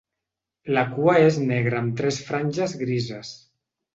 La cua és negra amb tres franges grises.